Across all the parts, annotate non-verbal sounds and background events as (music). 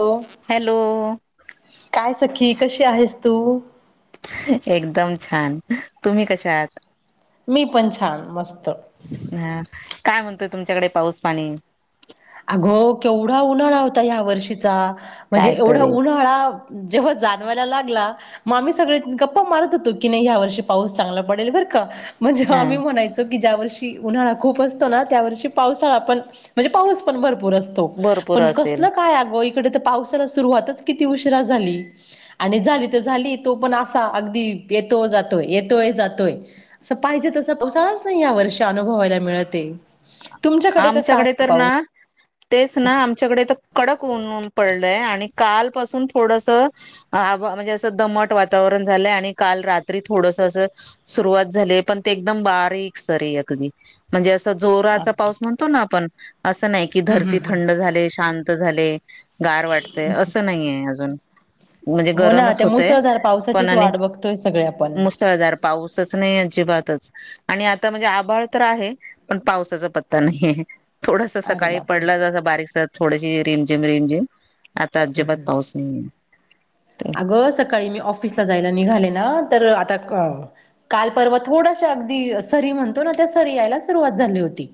Hello hello काय सखी कशी आहेस तू. एकदम छान तुम्ही कशा आहात मी पण छान मस्त. हा काय म्हणतोय तुमच्याकडे पाऊस पाणी. अगो केवढा उन्हाळा होता या्या वर्षीचा म्हणजे काय एवढा तरीच उन्हाळा. जेव्हा जाणवायला लागला मग आम्ही सगळे गप्पा मारत होतो की नाही या वर्षी पाऊस चांगला पडेल बर. का? म्हणजे हा आम्ही म्हणायचो की ज्या वर्षी उन्हाळा खूप असतो ना त्या वर्षी पावसाळा पण म्हणजे पाऊस. भरपूर पण क असेल काय अगं पावसाला सुरुवातच किती उशिरा झाली आणि झाली तर झाली तो पण असा अगदी येतो जातोय येतोय जातोय असं पाहिजे तसंपावसाळा नाही या वर्षी अनुभवायला मिळत तुमच्याकडे कस आमच्याकडे आहे तर पाऊस ना तेच ना आमच्याकडे तर कडकऊन (unintelligible) पडलय आणि कालपासून थोडस म्हणजे असं दमट वातावरण झालंय आणि काल रात्री थोडस सुरवात झाली पण ते एक बारीक सरी अगदी म्हणजे जोराचा हम्म पाऊस म्हणतो आपण असं नाही की हम्म धरती हम्म. थंड झाले शांत झाले गार वाटतेय असं नाहीय अजून म्हणजे हो ना गरमच त्या होतय मुसळधार पण पावसाचीच आणि वाट बघतोय सगळे आपण. मुसळधार पाऊसच नाही अजिबातच आणि आता म्हणजे आभाळ तर आहे पण पावसाचा पत्ता नाही आहे थोडस अरे सकाळी बापरे! पडलं जसं बारीकस थोडीशी रिमझिम रिम झिम आता अजिबात पाऊस नाहीेय अगं सकाळी मी ऑफिसला जायला निघाले ना तर आताक काल परवा थोडाश अगदी सरी म्हणतो ना त्या सरी यायला सुरुवात झाली होती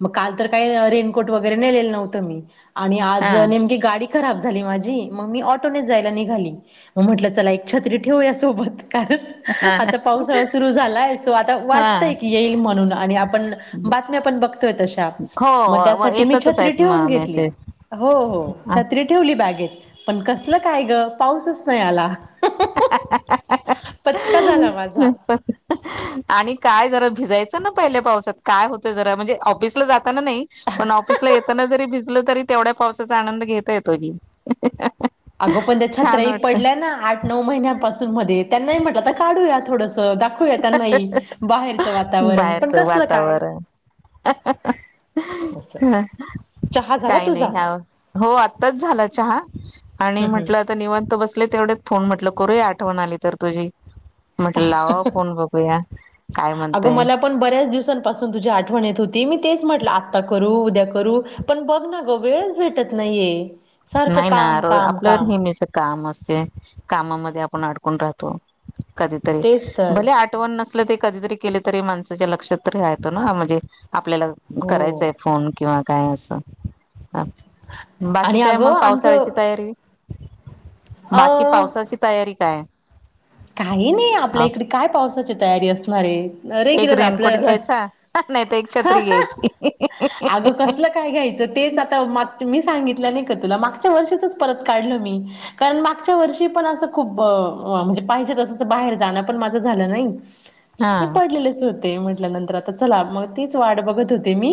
मग काल तर काय रेनकोट वगैरे नेलेल नव्हतं मी आणि हा आज नेमकीे गाडी खराब झाली माझी मग मी ऑटोनेच जायला निघाली. मग म्हटलं चला एक छत्री ठेवूया सोबत कारण हा आता पावसाळा सुरू झालाय सो आता हा वाटतय की येईल म्हणून आणि आपण बातम्या आपण बघ. तोय तशा मग हो त्यासाठी मी येतातच छत्री आहेत ठेवून म घेतली. मेसेज हो हो छत्री ठेवली बॅगेत पण कसल काय ग पाऊसच नाही आला. (inaudible) पचका झाला माझा. आणि काय जरा भिजायचं पहिल्या पावसात काय होतंय जरा म्हणजे ऑफीस ला जातानांनाही पण ऑफीस येताना भिजलो तरीते. तेवढ्या पावसाचा आनंद घेता येतो की (inaudible) अगो पण त्या छान छत्र्याहीं वाटत पडल्या ना आठ नऊ महिन्यापासून मध्ये त्यांना म्हटलं आता काढूया थोडस. दाखऊया त्यांना बाहेरच वातावरण पण कसलं काय? अ (inaudible) ह असं (unintelligible) चहा झाला काय तुझा नाही हम्म हो आताच झाला चहा. आणि हम्म म्हटलं आता निवांत बसले तेवढेत फोन म्हटल करूया आठवण आली तर तुझी म्हटलं लावावा फोन बघूया काय म्हणतय झ (unintelligible) पासून तुजी आठवण येत होती मी तेच म्हणलं आता करू उद्या करू पण बघ ना ग वेळच भेटत. त (unintelligible) नाहीये. सारखं नाही ना काम (unintelligible) काम आपल्यावर काम नेहमीच काम असत. (unintelligible) कामामध्ये आपण अडकून राहतो कधीतरी तेच तर भले आठवण नस ते (unintelligible) कधीतरी केले तरी माणसाच्या लक्षातरीेतो (unintelligible) ना म्हणजे आपल्याला हो करायचंय फोन किंवा काय असं बाकी आणि ठिकआहे मग अगं पावसाळ्याची आमचं तयारी अ बाकी पावसाची तयारी काय काही नाही आपल्या इकडे आप- काय पावसाची तयारी असणारे अरे एक किलं (unintelligible) ना रेनकोट आपलं घ्यायचा नाही तर एक छत्री घ्यायची अगं कसलं काय घ्यायचं तेच आता मागच मीच सागितलं नाही का तु मागच्या वर्षीच परत काढल मी कारण मागच्या वर्षी पण अस खूप ब म्हणजे पाहिजे तसंच बाहेर जाणं पण माझं झालं नाही आणि हा पडलेलंच. म्हटल्यानंतर आता चला मग तीच वाट बघत होते मी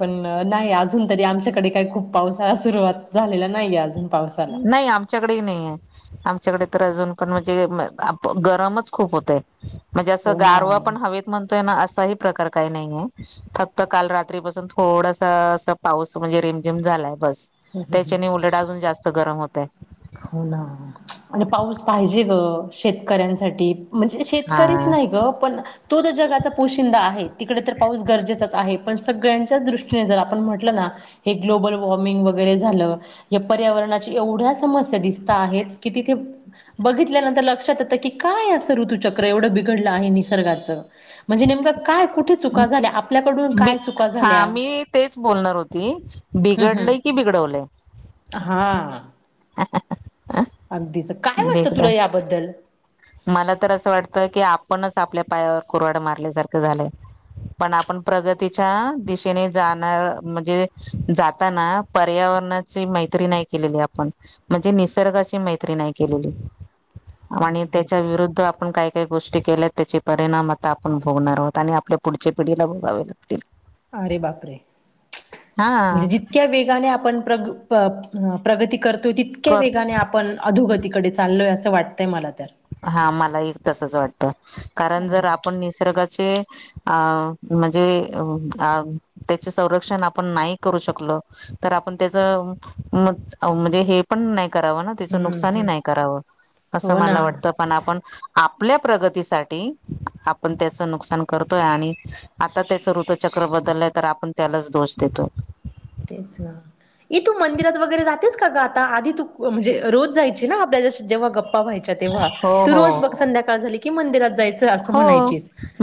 पण नाही अजून तरी आमच्याकडे काही खूप पावसाळा सुरुवात झालेला नाहीये अजून पावसाला नाही आमच्याकडे नाहीये. त्याच्याकडे तर अजून पण म्हणजे गरमच खूप होते. म्हणजे असं हो ना गारवा हम्म पण हवेत म्हणतोय ना. असाही प्रकार काही नाहीये फक्त काल रात्रीपासून थोडस अस पाऊस म्हणजे रिमझिम झालाय. बस,, हम्म हम्म. त्याच्याने उलट अजून जास्त गरम होतय. हो ना. आणि पाऊस पाहिजे ग शेतकऱ्यांसाठी. म्हणजे शेतकरीच हा. नाही ग पण तो तर जगाचा पोशिंदा आहे, तिकडे तर पाऊस गरजेचाच आहे, पण सगळ्यांच्याच दृष्टीने जर आपण म्हटलं ना. हे ग्लोबल वॉर्मिग वगैरे झालं. हे पर्यावरणाचे एवढ्या समस्या. दिसतं आहेत की तिथे बघितल्यानंतर लक्षात येत, की का असं ऋतुचक्र एवढं बिघडलं हे निसर्गाचं, म्हणजे नेमकं काय कूठं? ब, हा मी तेच बोलणार होती हम्म बिघडलंय की हम्म बिघडवल. (unintelligible) हा. ह, ह, हे, ह. अगदीच, काय वाटतं तुला याबद्दल मला तर असं वाटतं की आपणच आपल्या पायावर कुर्हाडं मारल्यासारखं झालंय. पण आपण प्रगतीच्या दिशेने जाणार म्हणजे, जाताना पर्या ववरणाची मैत्री नाही केलेली आपण म्हणजे निसर्गाची मैत्री नाही केलेली. हो, आणि दी. त्याच्या विरुद्ध आपण काय कायऽऽ गोष्टी केल्या त्याचे परिणाम आता आपण भोगणार आहोत, आणि आपल्या पुढच्या पिढीला भोागावे लागतील. अरे बापरे! म्हणजे हा जितक्या वेगाने आपण प्रगऽऽ प्रगती करतोय तितक्या कर वेगाने आपण अधोगतीकडे चालोय असं वाटतंय मला. तर. हा मला एक तसच वाटतं,, कारण अरे जर आपण बापरे! निसर्गाचेऽऽ अऽऽ म्हणजे अ त्याच संरक्षण आपण नाही करू शकलो. तर आपण त्याच, म्हणजे हे पण नाही, करावं ना तीच, हं, नूकसान ही हं. नाई करावं, असं हो ना. मला वाटतं.. आपन, आपल्या ऽऽ प्रगतीसाठी आपण त्याच नुकसान करतोय आणि आता ऽऽ तेच ऋतचक्र बदललंय तर आपण त्यालाच दोष देतो. तेच ना,,, ए तू मंदिरात वगैरे जातेस का ग आता आधी तू म्हणजे रोज जायची ना आपल्याऽ. जेव्हा गप्पा व्हायच्या तेव्हा, हो ती रोज बघ हो संध्याकाळ झाली की मंदिरात जायचऽऽ. हो,,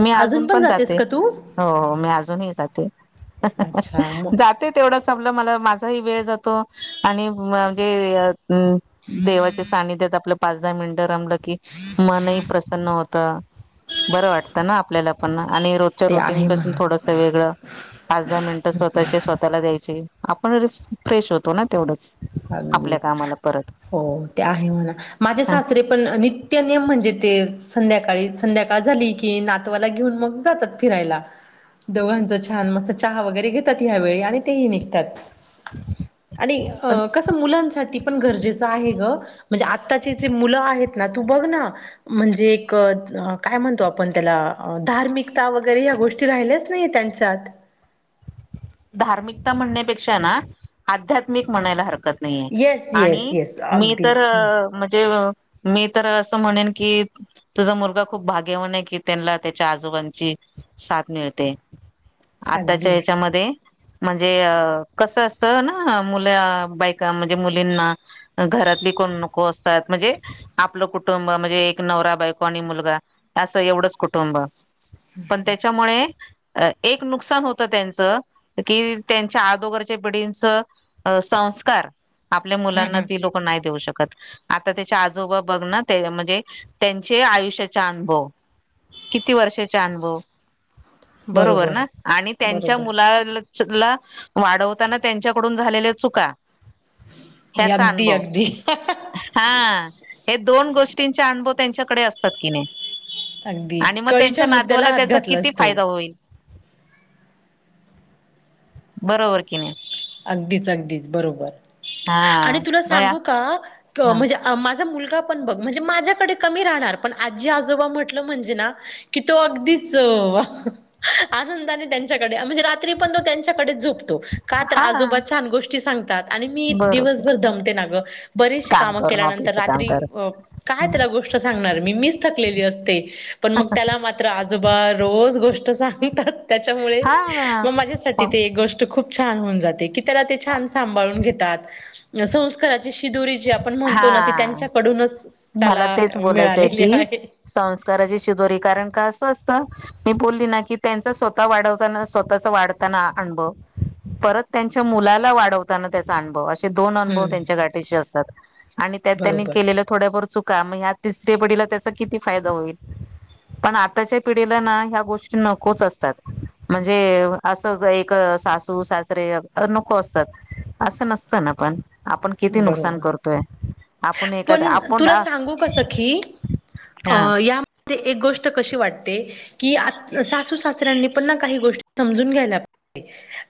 मी अजून पण जातेस जाते, का तू? हो, हो मी अजूनही जाते.. अच्छा मग जाते तेवढं संपलं मला माझा ही वेळऽ. जातो, आणि म्हणजे देवाचे सानिध्यात आपले पाच दहा मिनऽऽ. रमलं की मनही प्रसन्न होत, बर वाटत ना आपल्याला पण,. आणि रोजच्या ते रुटीन आहे पासून म्हणा. थोडस वेगळं, पाच दहा मिनटं स्वतःचे स्वतःला द्यायचे.. आपण फ्रेश होतो ना तेवढंच.. आपल्या अगदीच,, कामाला परत हो,, ते आहे म्हणा,, माझे सासरे पण नित्य नियम म्हणजेऽऽ ते संध्याकाळी, संध्याकाळ झाली की नातवाला घेऊन मग जातात फिरायला. दोघांचं छान मस्त चहा वगैरे घेतात यावेेळी आणि तेही निघतात. आणि अ ऽऽकस मुलांसाठीऽऽ पण गरजे आहे गं म्हणजे आताचे जे मुलं आहेत ना तू बघ ना म्हणजेऽऽ काय म्हणतो आपण त्याला अ ऽऽधार्मिक त्या वगैरे या गोष्टी राहिल्याच नाही त्यांच्यात. धार्मिकता म्हणण्यापेक्षा ना आध्यात्मिक म्हणायला हरकतऽऽ नाही आहे येस येस आणि येस मी तर अगदीच अ हम्म म्हणजेऽऽ मी तर असं म्हणेन की तुझा मुलगा खूप भाग्यवान आहे की त्यांनाला त्याच्या आजोबांचीऽऽ साथ मिळते, अगदी आताच्या ह्याच्यामध्येऽऽ म्हणजे अऽऽकस असतं ना मुल बायका म्हणजे मुलींना घऽऽ रातली कोण नको असतात, म्हणजे आपलं कुटुंब म्हणजे नवरा बायको आणि एक मुलगा असं ऽ एवढंच कुटुंब पण त्याच्यामुळे एक नुकसान होत त्यांचऽऽ कि त्यांच्या आदोगरच्या पिढींचं अऽऽसंस्कारऽऽ आपल्या हम्म मुलांना ती हम्म लोक नाही देऊ शकत. आता त्याच्या आजोबा बघ ना ते म्हणजे त्यांचे आयुष्याचा अनुभव. किती वर्षाचे अनुभव बरोबर ना आणि त्यांच्या बरोबर. मुला. ला वाढवताना त्यांच्याकडून झालेल्या चुका. ह्याचा अगदी अनुभव अगदी हा. हे दोन गोष्टींचे अनुभव त्यांच्याकडे असतात की नाही. अगदी आणि मग त्यांच्या कळीच्या मुद्द्याला नातवाला हात त्याचा किती घातलास तू फायदा होईल. बरोबर कि नाही? अगदीच अगदीच बरोबर हा आणि तुला बया सांगू का हा म्हणजे माझा मुलग पन बघ म्हणजे माझ्याकडे कमी राहणार, पण आजी, आजोबा म्हंटल म्हणजे ना की तो अगदीच. हो आनंदाने त्यांच्याकडे म्हणजे रात्री पण तो त्यांच्याकडेच झोपतो. का हा आजोबा छान गोष्टी सांगतात आणि मी बरोबर दिवसभर दमते नां बरेच काम करून केल्यानंतर ऑफिसच काम रात्री अं काय करून त्याला गोष्ट सांगणार मी, मीच थकलेली असते. पण मग त्याला मात्र आजोबा. रोज गोष्ट सांगतात त्याच्यामुळे हा मग माझ्यासाठी ते एक गोष्ट खूप छान हो जाते, की त्याला ते छान सांभाळून घेतात. संस्कार शिदोरी जी आपण म्हणतो ना ती हा त्यांच्याकडूनच मला त्याला तेच बोलायचंय मिळालेली की आहे. संस्काराची शिदोरी कारण का असं असतं. मी बोलली ना की त्यांचा स्वतः वाढवताना स्वतःचा वाढताना अनुभव. परत त्यांच्या मुलाला वाढवताना त्याचा अनुभव ते दोन अनुभव हम्म त्यांच्या गाठीशी असतात. आणि त्यात त्यांनी बरोबर केलेल चूक आहे. मगं ह्यात तिसरे किती फायदा होईल. पण आताच्या पिढीला ना ह्या गोष्टी नकोच असतात म्हणजे असं एक- सासू सासरे नको असतात असं नसतं ना पण. आपण किती नुकसान बरोबर करतोय आपण एखाद पण तुला सांगू कसं की हा. या एक गोष्ट कशी वाटते की सासू सासऱ्यांनी पण काही गोष्टी समजून घ्यायला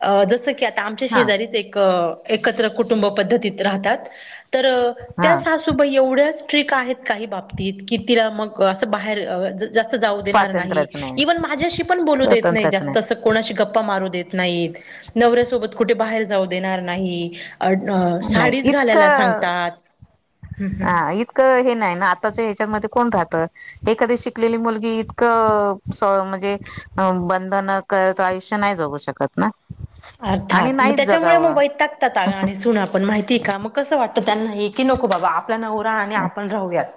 अ जसं की आ आमच्या हा शेजारीच एक एकत्र कुटुंब पद्धतीत राहतात तर त्या- हा त एवढ्याच ट्रिक आहेत काही बाबतीत की तिला मगं असं बाहेर जास्त जाऊ देणार नाही इव्हन माझ्याशी पण बोलू देत नाही जास्त अस कोणाशी गप मारू देत नाहीत, नवऱ्यासोबत कुठे बाहेर जाऊ देणार नाही. अ नाही साडीच घालायला इतकं सांगतात, हम्म हा हम्म इतकं हे नाही ना आताच हच्यात आता कोण राहत. एखादी शिकलेली मुलगी इतक अं स म्हणजे बंधनात आयुष्य नाही जगू शकत ना आणि अर्थात मगं नाहीच त्याच्यामुळे मग जगावं. वैतागतात अग आणि सुना पण माहित ठी का मग कसं वाटतं त्यांना हे की नको बाबा आपला नवरा आणि आपण राहूयात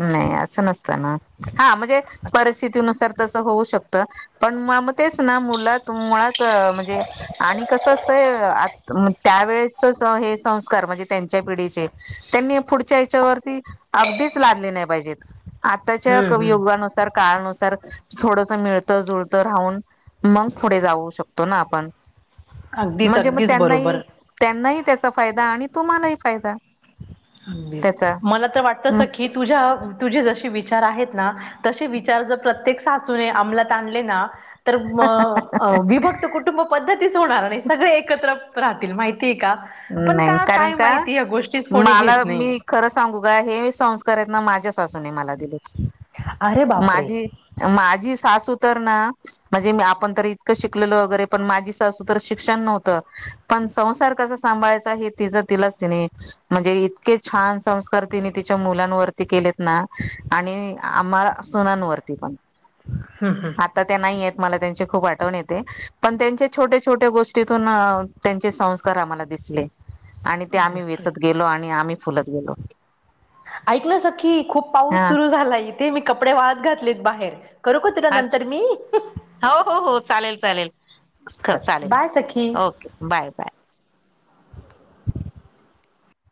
नाही असं नसत ना, हा म्हणजे असं परिस्थितीनुसार तस होऊ शकत, पण म तेच ना मु मुालात म्हणजे आणि कस असतय मगं त्यावेळेस चे हे संस्कार म्हणजे त्यांच्या पिढीचे त्यांनी पुढच्या हिच्यावर ती अगदी लागली नाही पाहिजेत आताच्या हम्म हम्म युगानुसार काळानुसार थोडस मिळत जुळत राहून मग पुढे जाऊ शकतो ना आपण अगदीच म्हणजे मगं अगदीच बरोबर त्यांनाही त्यांनाही त्याचा फायदा आणि तुम्हालाही फायदा अगदीच त्याचा मला तर वाटतस की तुझ्या तुझे जसे विचार आहेत ना तसे विचार जर प्रत्येक सासूने आमलात आणले ना तर विभक्त कुटुंब पद्धतीच होणार नाही सगळे एकत्र राहतील माहि ठी का पण नाही का कारण काय का माहिती या गोष्टी मला मी खरं सांगू का हे संस्कार आहेत ना माझ्या सासूने मला दिलेत अरे बापरे माझी, माझी सासू तर ना म्हणजे आपण तर इतकं शिकलेल वगैरे पण माझी सासू तर शिक्षण नव्हतं पण संसार कस सांभाळा यचा तिज तिलाच ति म्हणजे इतके छान संस्कार तिने तिच्या मुलांवरती के ना आणि आम्हा सुननावरती पण आता त्या नाही आहेत मला त्यांच्या त्याची खुप अठवन येते, त्यांच्या छोट्या छोट्या गोष्टीतून त्यांचे संस्कार आम्हाला दिसले आणि ते अरे आम्ही बापरे वेचत गेलो आणि आम्ही फुलत गेलो ऐक ना सखी खूप पाऊस हा सुरु झालाय इथे मी कपडे वाळत घातलेत बाहेर करू का तुला नंतर मी अच्छा हो हो हो चालेल चालेल ख चल चालेल बाय सखी ओके बाय बाय